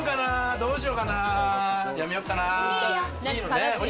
どうしようかな？